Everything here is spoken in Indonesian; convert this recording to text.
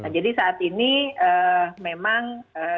jadi saat ini memang